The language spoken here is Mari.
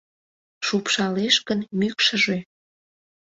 Шупшалеш гын мӱкшыжӧ